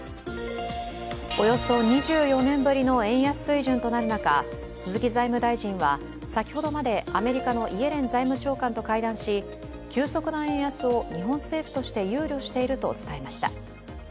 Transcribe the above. およそ２４年ぶりの円安水準となる中鈴木財務大臣は先ほどまでアメリカのイエレン財務長官と会談し急速な円安を日本政府として憂慮していると伝えました。